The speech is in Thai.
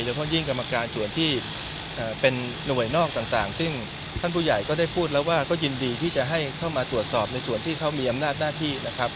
เพราะยิ่งกรรมการส่วนที่เป็นหน่วยนอกต่างซึ่งท่านผู้ใหญ่ก็ได้พูดแล้วว่าก็ยินดีที่จะให้เข้ามาตรวจสอบในส่วนที่เขามีอำนาจหน้าที่นะครับ